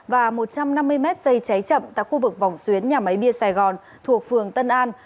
và một trăm năm mươi mét dây cháy chậm tại khu vực vòng xuyến nhà máy bia sài gòn thuộc phường tân an